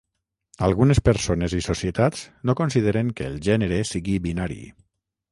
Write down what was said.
Algunes persones i societats no consideren que el gènere sigui binari.